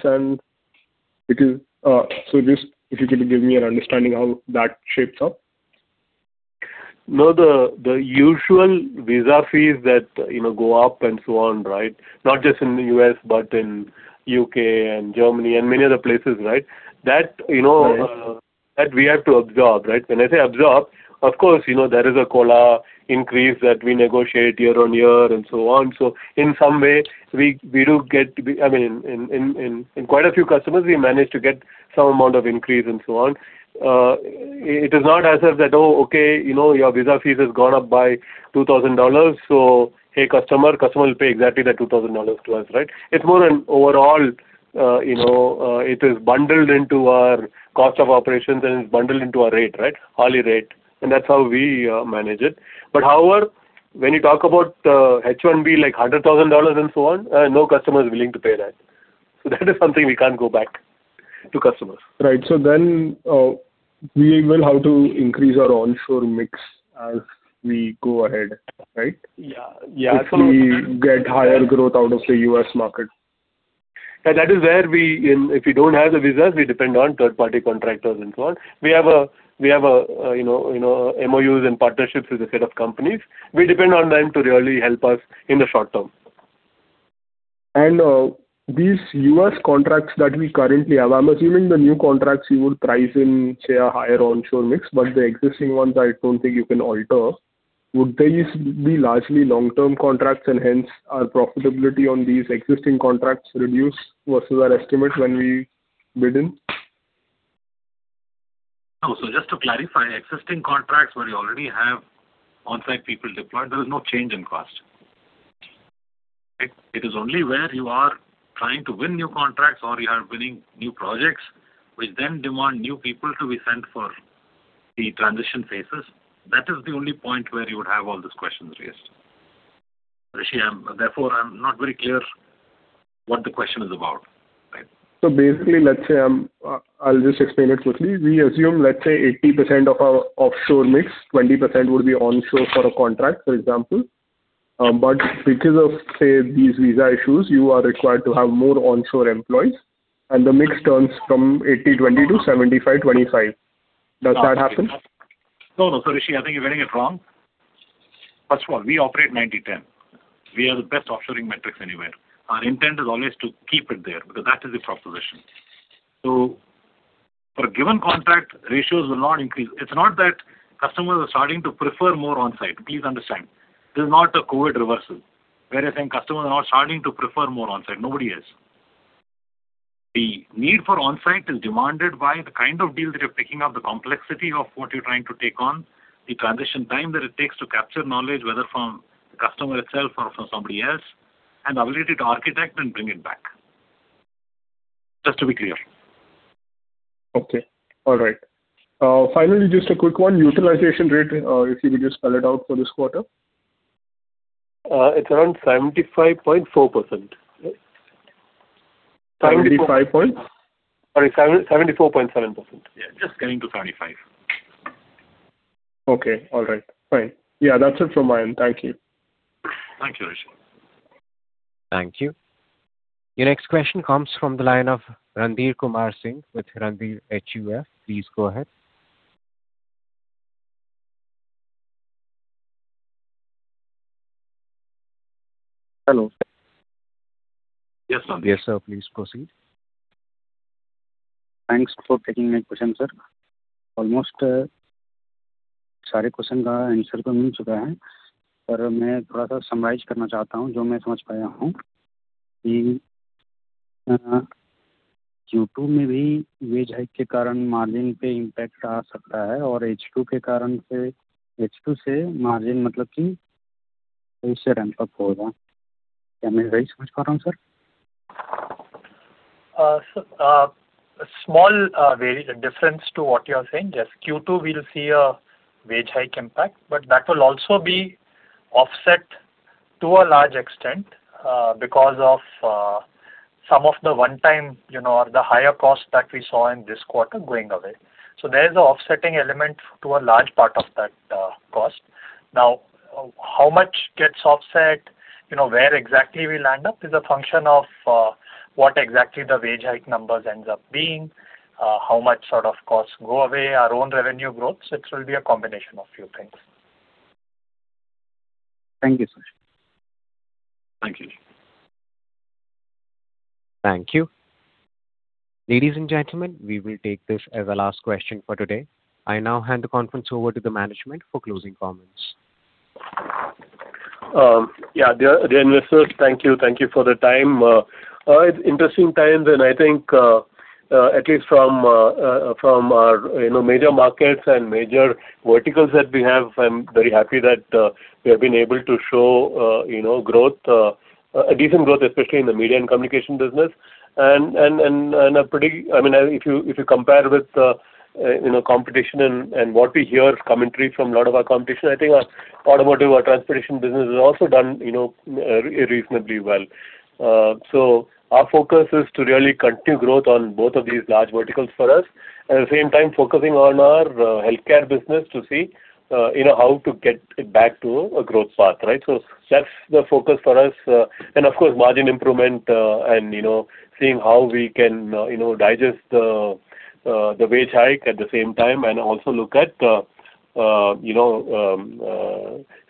If you could give me an understanding how that shapes up. No, the usual visa fees that go up and so on. Not just in the U.S., but in U.K. and Germany and many other places. Right. That we have to absorb. When I say absorb, of course, there is a COLA increase that we negotiate year-on-year and so on. In some way, in quite a few customers, we manage to get some amount of increase and so on. It is not as if that, "Oh, okay, your visa fees has gone up by $2,000, so hey customer." Customer will pay exactly that $2,000 to us. It's more an overall, it is bundled into our cost of operations and it's bundled into our rate. Hourly rate. That's how we manage it. However, when you talk about H1B, like $100,000 and so on, no customer is willing to pay that. That is something we can't go back to customers. Right. We will have to increase our onshore mix as we go ahead, right? Yeah. If we get higher growth out of the U.S. market. That is where, if we don't have the visas, we depend on third-party contractors and so on. We have MOUs and partnerships with a set of companies. We depend on them to really help us in the short term. These U.S. contracts that we currently have, I'm assuming the new contracts you would price in, say, a higher onshore mix, but the existing ones, I don't think you can alter. Would these be largely long-term contracts and hence our profitability on these existing contracts reduce versus our estimate when we bid in? No. Just to clarify, existing contracts where you already have on-site people deployed, there is no change in cost. It is only where you are trying to win new contracts or you are winning new projects, which then demand new people to be sent for the transition phases. That is the only point where you would have all these questions raised. Rishi, therefore, I'm not very clear what the question is about. Basically, I'll just explain it quickly. We assume, let's say, 80% of our offshore mix, 20% would be onshore for a contract, for example. Because of, say, these visa issues, you are required to have more onshore employees and the mix turns from 80/20 to 75/25. Does that happen? No, Rishi, I think you're getting it wrong. First of all, we operate 90/10. We have the best offshoring metrics anywhere. Our intent is always to keep it there because that is the proposition. For a given contract, ratios will not increase. It's not that customers are starting to prefer more on-site. Please understand. This is not a COVID reversal where you're saying customers are now starting to prefer more on-site. Nobody is. The need for on-site is demanded by the kind of deals that you're picking up, the complexity of what you're trying to take on, the transition time that it takes to capture knowledge, whether from the customer itself or from somebody else, and ability to architect and bring it back. Just to be clear. Okay. All right. Finally, just a quick one. Utilization rate, if you could just spell it out for this quarter. It's around 75.4%. 75 points? Sorry, 74.7%. Yeah, just getting to 75. Okay. All right. Fine. Yeah, that's it from my end. Thank you. Thank you, Rishi. Thank you. Your next question comes from the line of Randhir Kumar Singh with Randhir HUF. Please go ahead. Hello. Yes, sir. Yes, sir. Please proceed. Thanks for taking my question, sir. Almost Q2 maybe wage hike margin impact or H2 margin, am I right, sir? A small difference to what you are saying. Yes, Q2, we'll see a wage hike impact, but that will also be offset to a large extent because of some of the one-time or the higher cost that we saw in this quarter going away. There's an offsetting element to a large part of that cost. Now, how much gets offset, where exactly we land up is a function of what exactly the wage hike numbers ends up being, how much sort of costs go away, our own revenue growth. It will be a combination of few things. Thank you, sir. Thank you. Thank you. Ladies and gentlemen, we will take this as our last question for today. I now hand the conference over to the management for closing comments. Dear investors, thank you for the time. It's interesting times, and I think, at least from our major markets and major verticals that we have, I'm very happy that we have been able to show a decent growth, especially in the Media & Communications business. If you compare with competition and what we hear commentary from a lot of our competition, I think our automotive, our transportation business has also done reasonably well. Our focus is to really continue growth on both of these large verticals for us. At the same time, focusing on our healthcare business to see how to get it back to a growth path, right? That's the focus for us. Of course, margin improvement and seeing how we can digest the wage hike at the same time, and also look at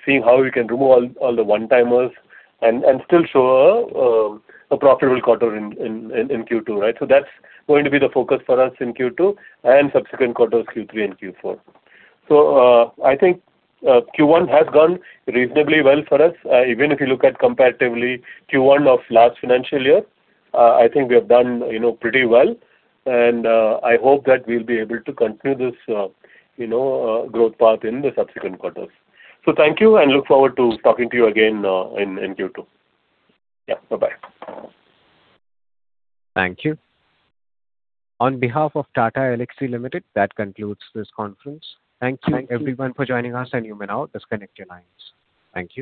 seeing how we can remove all the one-timers and still show a profitable quarter in Q2, right? That's going to be the focus for us in Q2 and subsequent quarters Q3 and Q4. I think Q1 has gone reasonably well for us. Even if you look at comparatively Q1 of last financial year, I think we have done pretty well, and I hope that we'll be able to continue this growth path in the subsequent quarters. Thank you, and look forward to talking to you again in Q2. Bye-bye. Thank you. On behalf of Tata Elxsi Limited, that concludes this conference. Thank you everyone for joining us, and you may now disconnect your lines. Thank you.